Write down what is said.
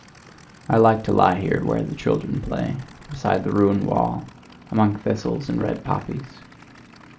I like to lie here where the children play, beside the ruined wall, among thistles and red poppies.